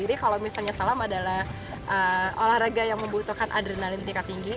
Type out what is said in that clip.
jadi kalau misalnya salam adalah olahraga yang membutuhkan adrenalin tingkat tinggi